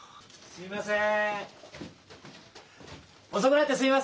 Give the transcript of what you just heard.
すいません。